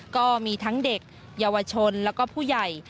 ก็มีทั้งเด็กเยาวชนแล้วก็ผู้ใหญ่